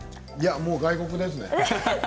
もう外国ですね。